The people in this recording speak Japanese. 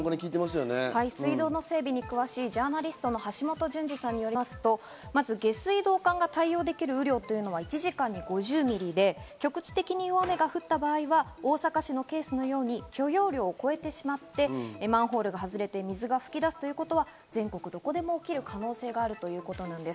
水道の整備に詳しいジャーナリストの橋本淳司さんによりますとまず下水道管が対応できる雨量というのが１時間に５０ミリで局地的に大雨が降った場合は、大阪市のケースのように許容量を超えてしまってマンホールのふたが外れて水が噴き出すことは全国どこでも起きる可能性があるということです。